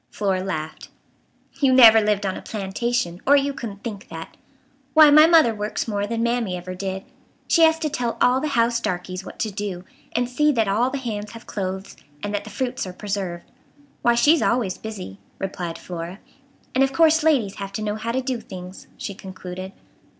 Flora laughed. "You never lived on a plantation, or you couldn't think that. Why, my mother works more than Mammy ever did. She has to tell all the house darkies what to do, and see that all the hands have clothes, and that the fruits are preserved. Why, she's always busy," replied Flora. "And of course ladies have to know how to do things," she concluded.